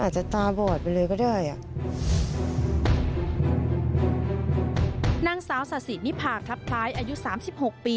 ก็ครอบครับ